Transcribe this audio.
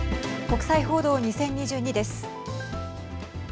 国際報道２０２２です。